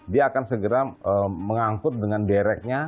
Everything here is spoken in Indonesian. dia akan segera mengangkut dengan dereknya